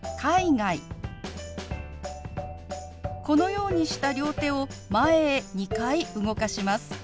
このようにした両手を前へ２回動かします。